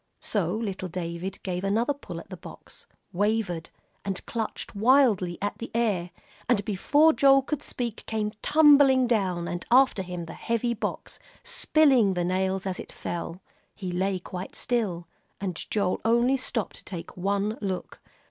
So little David gave another pull at the box, wavered, and clutched wildly at the air, and before Joel could speak, came tumbling down, and after him, the heavy box, spilling the nails as it fell. He lay quite still, and Joel only stopped to take one look.